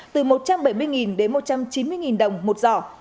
từ một trăm bảy mươi đến một trăm chín mươi đồng một giỏ